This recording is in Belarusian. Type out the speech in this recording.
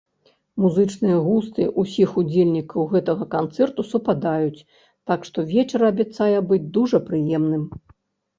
Музычныя густы ўсіх удзельнікаў гэтага канцэрту супадаюць, так што вечар абяцае быць дужа прыемным.